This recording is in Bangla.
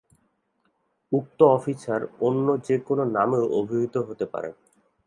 উক্ত অফিসার অন্য যেকোন নামেও অভিহিত হইতে পারেন।